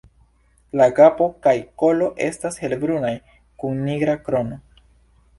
La kapo kaj kolo estas helbrunaj, kun nigra krono.